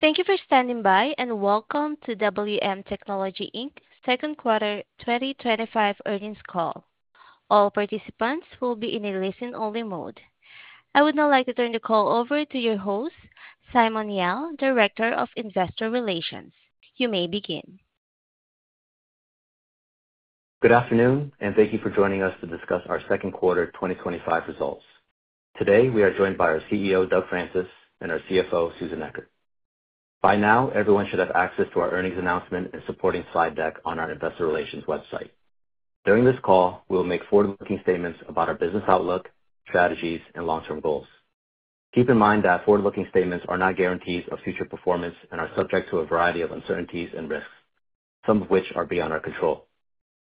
Thank you for standing by and welcome to WM Technology Inc.'s Second Quarter 2025 Earnings Call. All participants will be in a listen-only mode. I would now like to turn the call over to your host, Simon Yao, Director of Investor Relations. You may begin. Good afternoon, and thank you for joining us to discuss our second quarter 2025 results. Today, we are joined by our CEO, Doug Francis, and our CFO, Susan Echard. By now, everyone should have access to our earnings announcement and supporting slide deck on our Investor Relations website. During this call, we will make forward-looking statements about our business outlook, strategies, and long-term goals. Keep in mind that forward-looking statements are not guarantees of future performance and are subject to a variety of uncertainties and risks, some of which are beyond our control.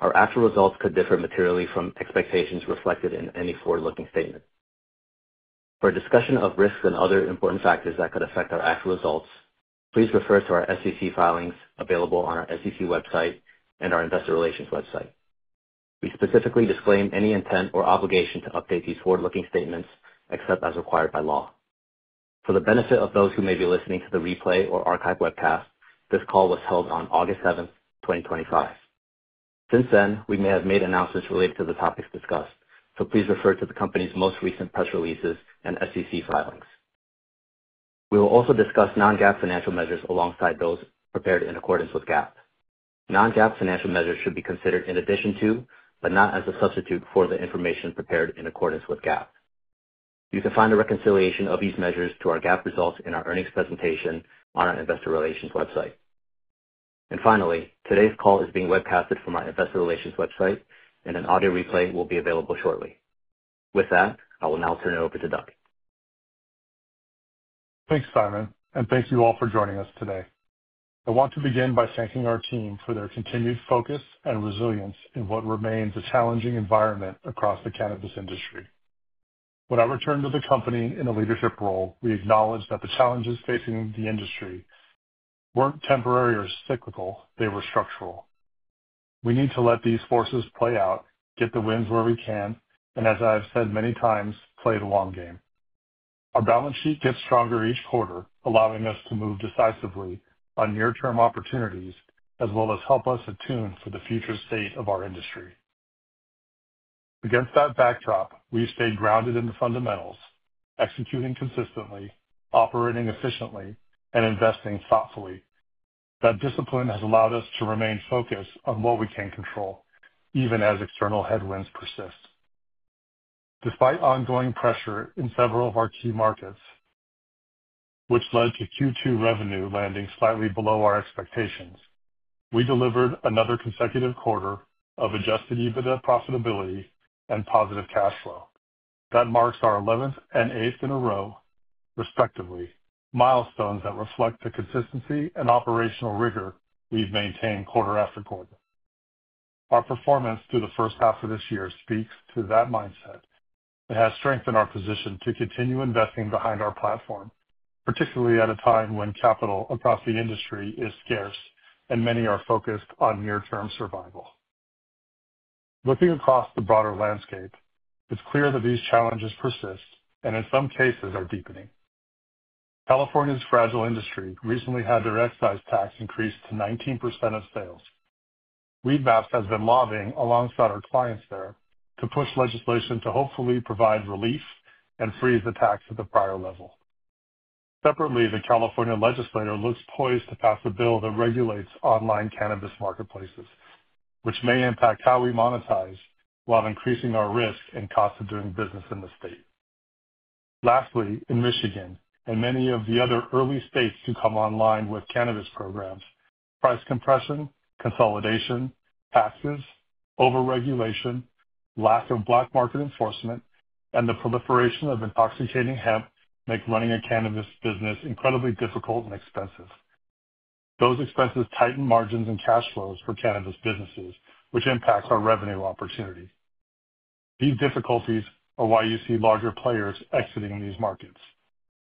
Our actual results could differ materially from expectations reflected in any forward-looking statement. For a discussion of risks and other important factors that could affect our actual results, please refer to our SEC filings available on our SEC website and our Investor Relations website. We specifically disclaim any intent or obligation to update these forward-looking statements except as required by law. For the benefit of those who may be listening to the replay or archived webcast, this call was held on August 7, 2025. Since then, we may have made announcements related to the topics discussed, so please refer to the company's most recent press releases and SEC filings. We will also discuss non-GAAP financial measures alongside those prepared in accordance with GAAP. Non-GAAP financial measures should be considered in addition to, but not as a substitute for, the information prepared in accordance with GAAP. You can find a reconciliation of these measures to our GAAP results in our earnings presentation on our Investor Relations website. Finally, today's call is being webcast from our Investor Relations website, and an audio replay will be available shortly. With that, I will now turn it over to Doug. Thanks, Simon, and thank you all for joining us today. I want to begin by thanking our team for their continued focus and resilience in what remains a challenging environment across the cannabis industry. When I returned to the company in a leadership role, we acknowledged that the challenges facing the industry weren't temporary or cyclical, they were structural. We need to let these forces play out, get the wins where we can, and, as I have said many times, play the long game. Our balance sheet gets stronger each quarter, allowing us to move decisively on near-term opportunities, as well as help us attune for the future state of our industry. Against that backdrop, we stay grounded in the fundamentals, executing consistently, operating efficiently, and investing thoughtfully. That discipline has allowed us to remain focused on what we can control, even as external headwinds persist. Despite ongoing pressure in several of our key markets, which led to Q2 revenue landing slightly below our expectations, we delivered another consecutive quarter of adjusted EBITDA profitability and positive cash flow. That marks our 11th and 8th in a row, respectively, milestones that reflect the consistency and operational rigor we've maintained quarter after quarter. Our performance through the first half of this year speaks to that mindset. It has strengthened our position to continue investing behind our platform, particularly at a time when capital across the industry is scarce and many are focused on near-term survival. Looking across the broader landscape, it's clear that these challenges persist and, in some cases, are deepening. California's fragile industry recently had their excise tax increase to 19% of sales. WM Technology Inc. has been lobbying alongside our clients there to push legislation to hopefully provide relief and freeze the tax at the prior level. Separately, the California legislature looks poised to pass a bill that regulates online cannabis marketplaces, which may impact how we monetize while increasing our risks and costs of doing business in the state. Lastly, in Michigan and many of the other early states to come online with cannabis programs, price compression, consolidation, taxes, overregulation, lack of black market enforcement, and the proliferation of intoxicating hemp make running a cannabis business incredibly difficult and expensive. Those expenses tighten margins and cash flows for cannabis businesses, which impacts our revenue opportunity. These difficulties are why you see larger players exiting these markets.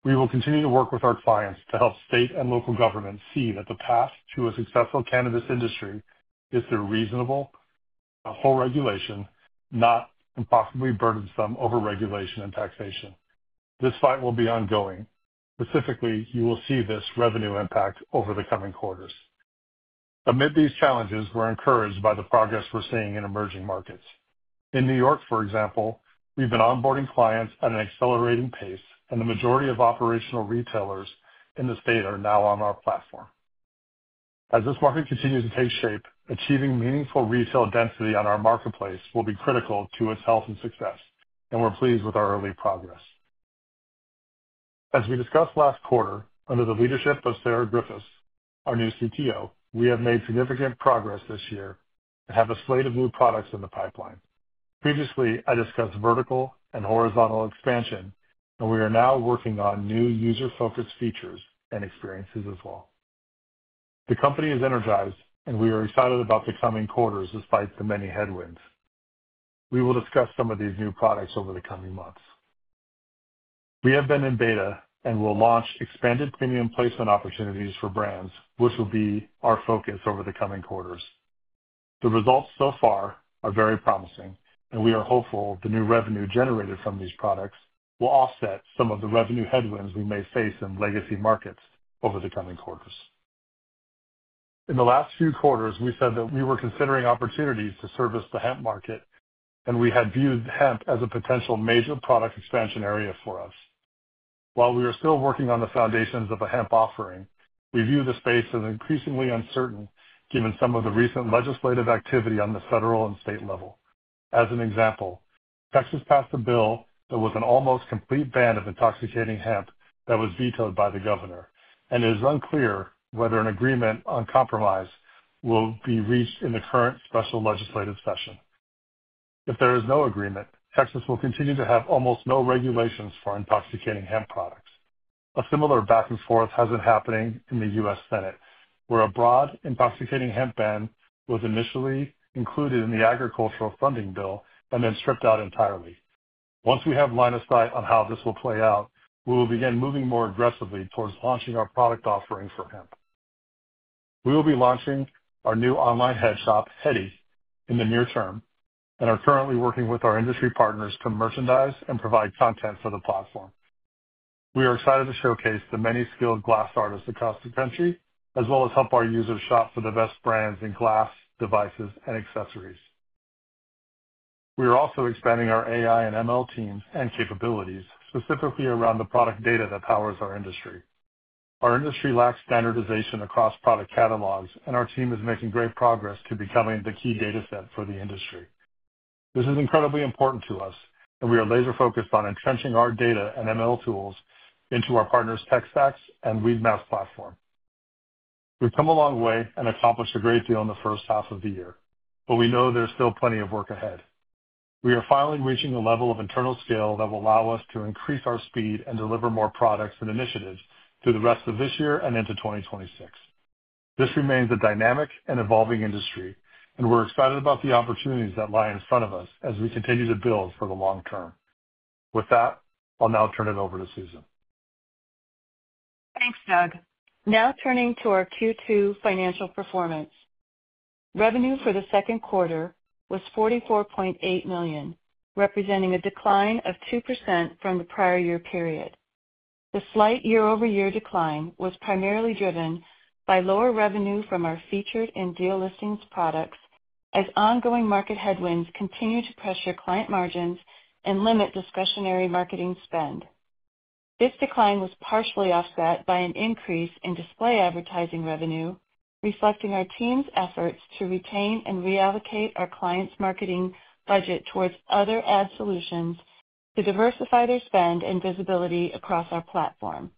We will continue to work with our clients to help state and local governments see that the path to a successful cannabis industry is through reasonable, thoughtful regulation, not impossibly burdensome overregulation and taxation. This fight will be ongoing. Specifically, you will see this revenue impact over the coming quarters. Amid these challenges, we're encouraged by the progress we're seeing in emerging markets. In New York, for example, we've been onboarding clients at an accelerating pace, and the majority of operational retailers in the state are now on our platform. As this market continues to take shape, achieving meaningful retail density on our marketplace will be critical to its health and success, and we're pleased with our early progress. As we discussed last quarter, under the leadership of Sarah Griffis, our new Chief Technology Officer, we have made significant progress this year and have a slate of new products in the pipeline. Previously, I discussed vertical and horizontal expansion, and we are now working on new user-focused features and experiences as well. The company is energized, and we are excited about the coming quarters despite the many headwinds. We will discuss some of these new products over the coming months. We have been in beta and will launch expanded premium placement opportunities for brands, which will be our focus over the coming quarters. The results so far are very promising, and we are hopeful the new revenue generated from these products will offset some of the revenue headwinds we may face in legacy markets over the coming quarters. In the last few quarters, we said that we were considering opportunities to service the hemp market, and we had viewed hemp as a potential major product expansion area for us. While we are still working on the foundations of a hemp offering, we view the space as increasingly uncertain given some of the recent legislative activity on the federal and state level. As an example, Texas passed a bill with an almost complete ban of intoxicating hemp that was vetoed by the governor, and it is unclear whether an agreement on compromise will be reached in the current special legislative session. If there is no agreement, Texas will continue to have almost no regulations for intoxicating hemp products. A similar back-and-forth has been happening in the U.S. Senate, where a broad intoxicating hemp ban was initially included in the agricultural funding bill and then stripped out entirely. Once we have line of sight on how this will play out, we will begin moving more aggressively towards launching our product offering for hemp. We will be launching our new online headshop, HEDDY, in the near term and are currently working with our industry partners to merchandise and provide content for the platform. We are excited to showcase the many skilled glass artists across the country, as well as help our users shop for the best brands in glass, devices, and accessories. We are also expanding our AI and ML teams and capabilities specifically around the product data that powers our industry. Our industry lacks standardization across product catalogs, and our team is making great progress to becoming the key data set for the industry. This is incredibly important to us, and we are laser-focused on entrenching our data and ML tools into our partners' Techstax and Weedmaps platform. We've come a long way and accomplished a great deal in the first half of the year, but we know there's still plenty of work ahead. We are finally reaching a level of internal scale that will allow us to increase our speed and deliver more products and initiatives through the rest of this year and into 2026. This remains a dynamic and evolving industry, and we're excited about the opportunities that lie in front of us as we continue to build for the long term. With that, I'll now turn it over to Susan. Thanks, Doug. Now turning to our Q2 financial performance. Revenue for the second quarter was $44.8 million, representing a decline of 2% from the prior year period. The slight year-over-year decline was primarily driven by lower revenue from our featured and deal listings products as ongoing market headwinds continue to pressure client margins and limit discretionary marketing spend. This decline was partially offset by an increase in display advertising revenue, reflecting our team's efforts to retain and reallocate our clients' marketing budget towards other ad solutions to diversify their spend and visibility across our platform.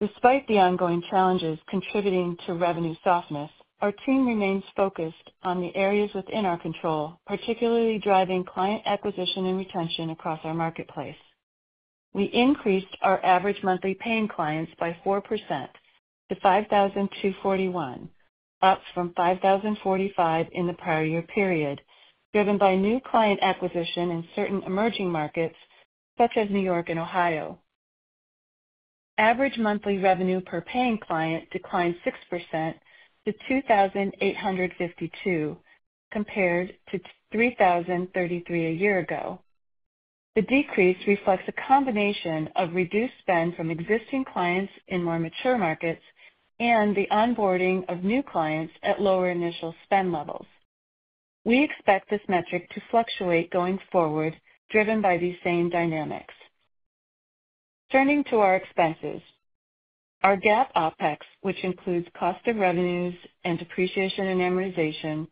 Despite the ongoing challenges contributing to revenue softness, our team remains focused on the areas within our control, particularly driving client acquisition and retention across our marketplace. We increased our average monthly paying clients by 4% to 5,241, up from 5,045 in the prior year period, driven by new client acquisition in certain emerging markets such as New York and Ohio. Average monthly revenue per paying client declined 6% to $2,852, compared to $3,033 a year ago. The decrease reflects a combination of reduced spend from existing clients in more mature markets and the onboarding of new clients at lower initial spend levels. We expect this metric to fluctuate going forward, driven by these same dynamics. Turning to our expenses, our GAAP OpEx, which includes cost of revenues and depreciation and amortization,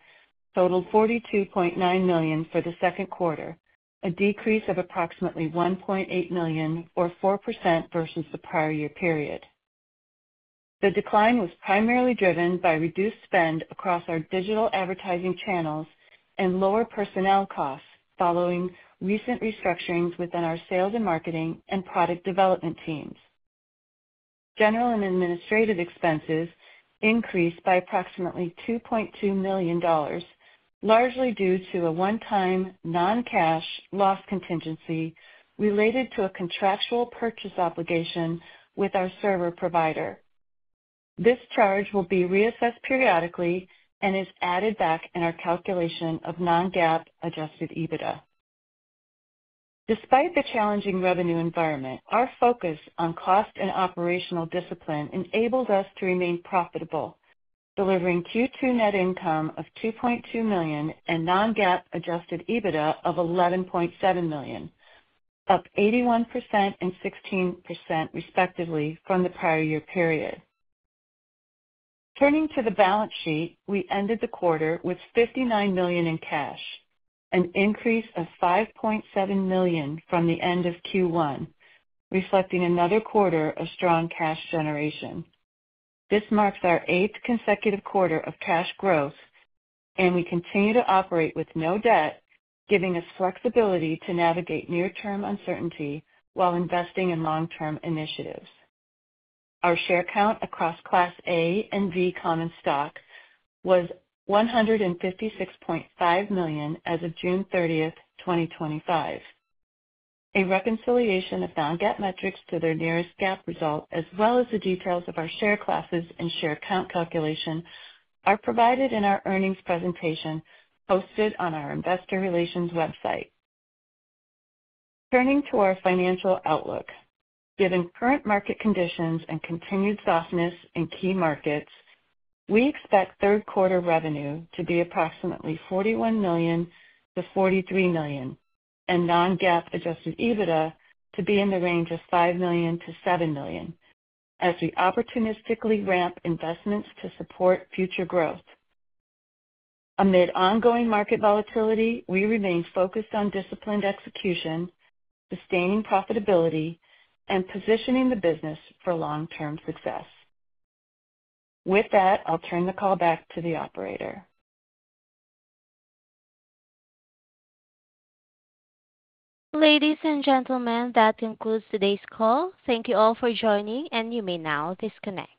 totaled $42.9 million for the second quarter, a decrease of approximately $1.8 million or 4% versus the prior year period. The decline was primarily driven by reduced spend across our digital advertising channels and lower personnel costs following recent restructurings within our sales and marketing and product development teams. General and administrative expenses increased by approximately $2.2 million, largely due to a one-time non-cash loss contingency related to a contractual purchase obligation with our server provider. This charge will be reassessed periodically and is added back in our calculation of non-GAAP adjusted EBITDA. Despite the challenging revenue environment, our focus on cost and operational discipline enables us to remain profitable, delivering Q2 net income of $2.2 million and non-GAAP adjusted EBITDA of $11.7 million, up 81% and 16% respectively from the prior year period. Turning to the balance sheet, we ended the quarter with $59 million in cash, an increase of $5.7 million from the end of Q1, reflecting another quarter of strong cash generation. This marks our eighth consecutive quarter of cash growth, and we continue to operate with no debt, giving us flexibility to navigate near-term uncertainty while investing in long-term initiatives. Our share count across Class A and V common stock was 156.5 million as of June 30th, 2025. A reconciliation of non-GAAP metrics to their nearest GAAP result, as well as the details of our share classes and share count calculation, are provided in our earnings presentation posted on our Investor Relations website. Turning to our financial outlook, given current market conditions and continued softness in key markets, we expect third quarter revenue to be approximately $41 million-$43 million and non-GAAP adjusted EBITDA to be in the range of $5 million-$7 million, as we opportunistically ramp investments to support future growth. Amid ongoing market volatility, we remain focused on disciplined execution, sustaining profitability, and positioning the business for long-term success. With that, I'll turn the call back to the operator. Ladies and gentlemen, that concludes today's call. Thank you all for joining, and you may now disconnect.